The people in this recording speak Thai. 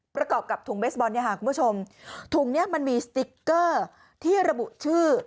ประกอบกับถุงเบสบอลเนี่ยค่ะคุณผู้ชมถุงนี้มันมีสติ๊กเกอร์ที่ระบุชื่อ